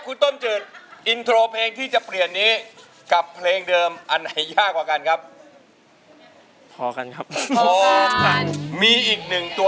ก็ไม่มีใครรู้ว่าอยู่ป้ายไหน